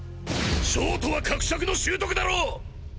ショートは赫灼の習得だろう！？